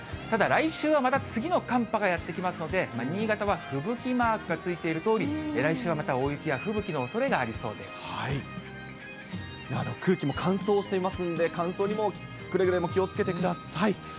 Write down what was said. ただ来週はまた次の寒波がやって来ますので、新潟は吹雪マークがついているとおり、来週はまた大雪や吹雪のお空気も乾燥していますんで、乾燥にもくれぐれも気をつけてください。